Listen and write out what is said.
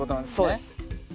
そうです。